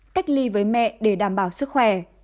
cách ly với mẹ để đảm bảo sức khỏe